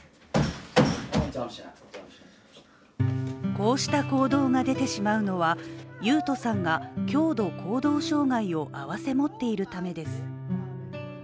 こうした行動が出てしまうのは雄斗さんが強度行動障害を併せ持っているためです。